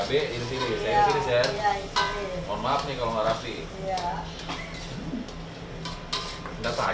bener kan gini ya pak